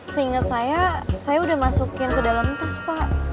seingat saya saya udah masukin ke dalam tas pak